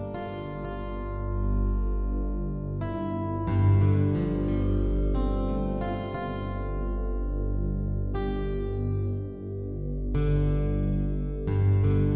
ถ้าเกิดมีอสมมีงังพวกขายไปก็จะไปกระโหลทุกครั้ง